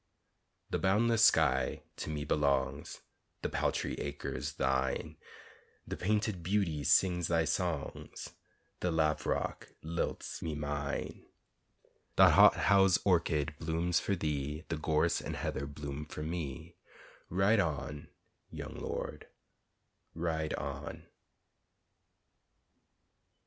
The boundless sky to me belongs, The paltry acres thine; The painted beauty sings thy songs, The lavrock lilts me mine; The hot housed orchid blooms for thee, The gorse and heather bloom for me, Ride on, young lord, ride on!